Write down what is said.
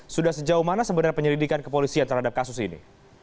sudah sejauh mana sebenarnya penyelidikan kepolisian terhadap kasus ini